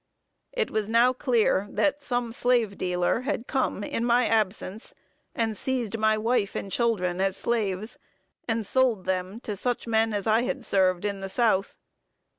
It was now clear that some slave dealer had come in my absence and seized my wife and children as slaves, and sold them to such men as I had served in the South.